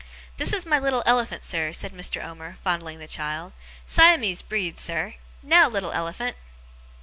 'This is my little elephant, sir,' said Mr. Omer, fondling the child. 'Siamese breed, sir. Now, little elephant!